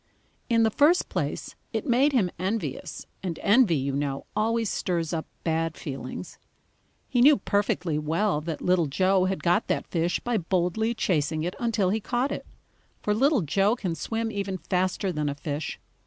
In the first place it made him envious, and envy, you know, always stirs up bad feelings. He knew perfectly well that Little Joe had got that fish by boldly chasing it until he caught it, for Little Joe can swim even faster than a fish.